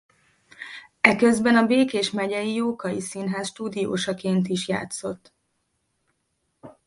Eközben a Békés Megyei Jókai Színház stúdiósaként is játszott.